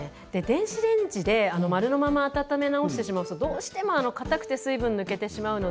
電子レンジで丸のまま温め直すと、どうしてもかたくて水分が抜けてしまいます。